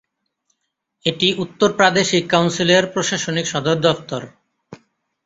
এটি উত্তর প্রাদেশিক কাউন্সিলের প্রশাসনিক সদর দফতর।